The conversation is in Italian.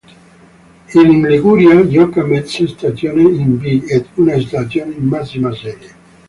In Liguria gioca mezza stagione in B ed una stagione in massima serie.